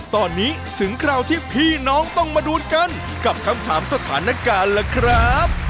ตอนนี้ถึงคราวที่พี่น้องต้องมาดูกันกับคำถามสถานการณ์ล่ะครับ